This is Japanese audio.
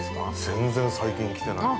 ◆全然、最近来てないの。